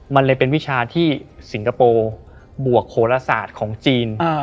มันเลยเป็นวิชาที่สิงคโปร์บวกโขลศาสตร์ของจีน